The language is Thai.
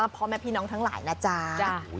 พ่อแม่พี่น้องทั้งหลายนะจ๊ะ